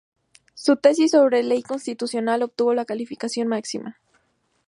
Su tesis sobre Ley Constitucional obtuvo la calificación máxima.